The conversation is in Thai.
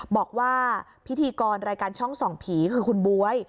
บอกว่าพิธีกรรายการช่องส่องผีคือคุณบ๊วย